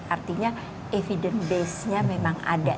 artinya evidence base nya memang ada